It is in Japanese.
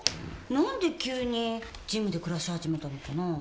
なんで急にジムで暮らし始めたのかなぁ？